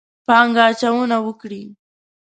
پانګه اچونه وکړي.